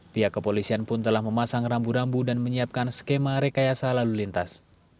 pihak kepolisian pun telah memasang rambu rambu dan menyiapkan skema rekayasa lalu lintas